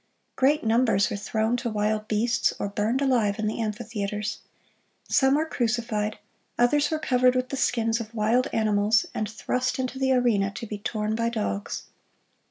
Great numbers were thrown to wild beasts or burned alive in the amphitheaters. Some were crucified; others were covered with the skins of wild animals, and thrust into the arena to be torn by dogs.